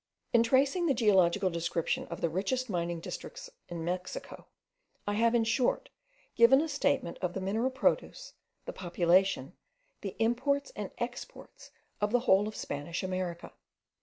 In tracing the geological description of the richest mining districts in Mexico, I have, in short, given a statement of the mineral produce, the population, the imports and exports of the whole of Spanish America.